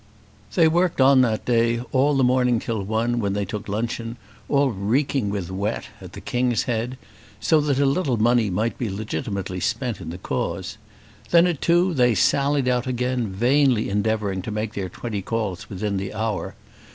They worked on that day all the morning till one, when they took luncheon, all reeking with wet, at the King's Head, so that a little money might be legitimately spent in the cause. Then, at two, they sallied out again, vainly endeavouring to make their twenty calls within the hour.